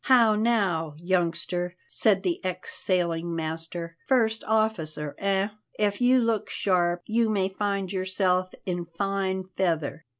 "How now, youngster," said the ex sailing master, "first officer, eh? If you look sharp, you may find yourself in fine feather."